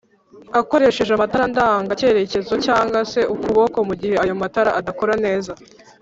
akoresheje amatara ndanga cyerekezo cg se ukuboko mugihe ayo matara adakora neza